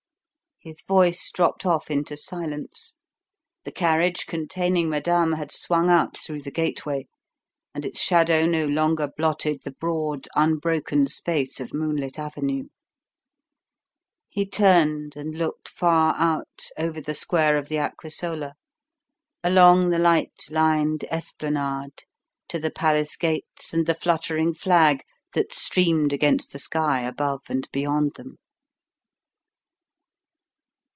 His voice dropped off into silence. The carriage containing madame had swung out through the gateway, and its shadow no longer blotted the broad, unbroken space of moonlit avenue. He turned and looked far out, over the square of the Aquisola, along the light lined esplanade, to the palace gates and the fluttering flag that streamed against the sky above and beyond them.